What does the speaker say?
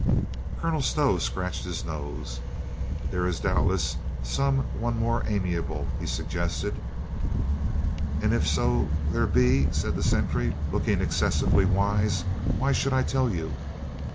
Colonel Stow scratched his nose. "There is doubtless some one more amiable?" he suggested. "And if so be there be," said the sentry, looking excessively wise, "why should I tell you?"